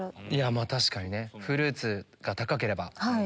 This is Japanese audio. まぁ確かにねフルーツが高ければ。